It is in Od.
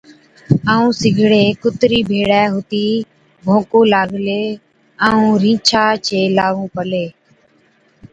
ائُون سِگڙي ڪُتري ڀيڙي هُتِي ڀوڪُون لاگلي ائُون رِينڇا چي لارُون پلي۔